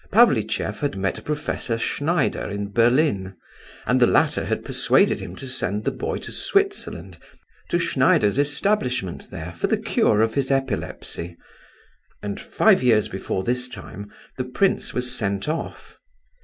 Pavlicheff had met Professor Schneider in Berlin, and the latter had persuaded him to send the boy to Switzerland, to Schneider's establishment there, for the cure of his epilepsy, and, five years before this time, the prince was sent off.